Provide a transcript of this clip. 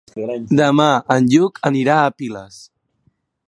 Demà en Lluc anirà a Piles.